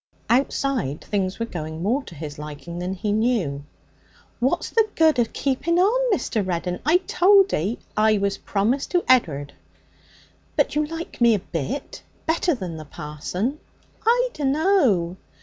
Outside things were going more to his liking than he knew. 'What's the good of keeping on, Mr. Reddin? I told 'ee I was promised to Ed'ard.' 'But you like me a bit? Better than the parson?' 'I dunno.'